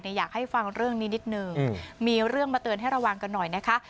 อยากให้ฟังเรื่องนี้นิดนึงมีเรื่องมาเตือนให้ระวังกันหน่อยนะคะ